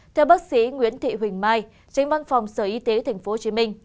theo bác sĩ nguyễn thị huỳnh mai tránh văn phòng sở y tế tp hcm